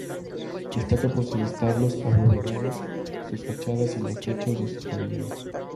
Destaca por sus establos abovedados, sus fachadas y los techos de sus pabellones.